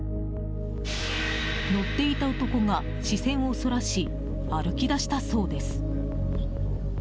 乗っていた男が視線をそらし歩き出したそうです。